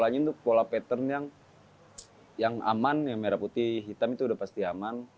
itu pola pattern yang aman yang merah putih hitam itu udah pasti aman